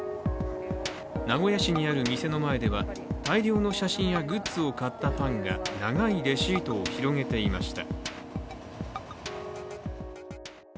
名古屋市にある店の前では大量の写真やグッズを買ったファンが長いレシートを広げていました。